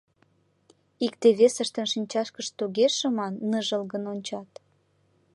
Икте-весыштын шинчашкышт туге шыман, ныжылгын ончат.